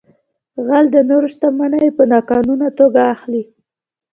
غل د نورو شتمنۍ په ناقانونه توګه اخلي